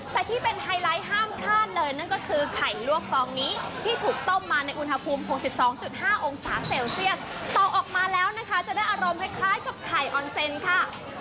แต่ที่เป็นไฮไลท์ห้ามพลาดเลยนั่นก็คือไข่ลวกฟองนี้ที่ถูกต้มมาในอุณหภูมิ๖๒๕องศาเซลเซียสต่อออกมาแล้วนะคะจะได้อารมณ์คล้ายกับไข่ออนเซนค่ะ